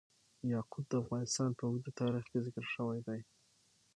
یاقوت د افغانستان په اوږده تاریخ کې ذکر شوی دی.